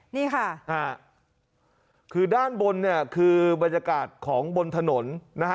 นี่ค่ะคือด้านบนเนี่ยคือบรรยากาศของบนถนนนะฮะ